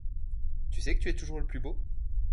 Tu sais que tu es toujours le plus beau ?